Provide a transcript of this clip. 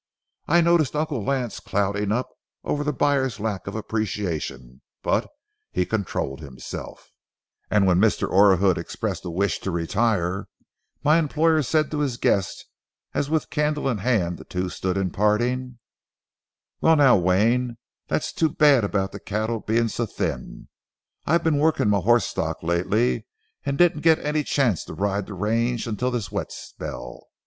I noticed Uncle Lance clouding up over the buyer's lack of appreciation, but he controlled himself, and when Mr. Orahood expressed a wish to retire, my employer said to his guest, as with candle in hand the two stood in parting:— "Well, now, Wayne, that's too bad about the cattle being so thin. I've been working my horse stock lately, and didn't get any chance to ride the range until this wet spell.